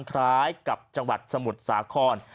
คล้ายกับจังหวัดสมุทรสาคร